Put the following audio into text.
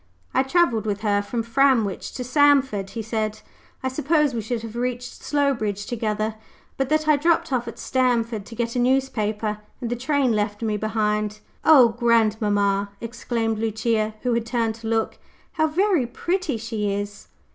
"I travelled with her from Framwich to Stamford," he said. "I suppose we should have reached Slowbridge together, but that I dropped off at Stamford to get a newspaper, and the train left me behind." "O grandmamma!" exclaimed Lucia, who had turned to look, "how very pretty she is!"